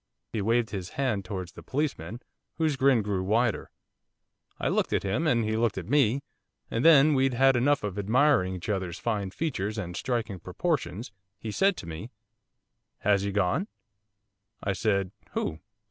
He waved his hand towards the policeman, whose grin grew wider. 'I looked at him, and he looked at me, and then when we'd had enough of admiring each other's fine features and striking proportions, he said to me, "Has he gone?" I said, "Who?